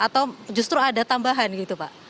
atau justru ada tambahan gitu pak